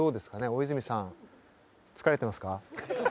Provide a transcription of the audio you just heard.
大泉さん疲れてますか？